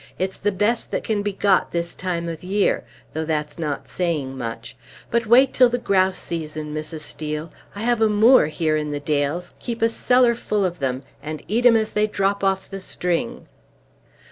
It's the best that can be got this time of year, though that's not saying much; but wait till the grouse season, Mrs. Steel! I have a moor here in the dales, keep a cellar full of them, and eat 'em as they drop off the string."